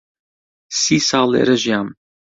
سی ساڵ لێرە ژیام.